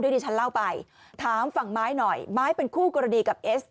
ที่ฉันเล่าไปถามฝั่งไม้หน่อยไม้เป็นคู่กรณีกับเอส